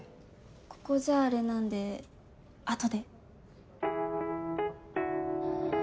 ここじゃあれなんで後で。